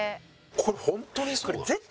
これ本当ですか？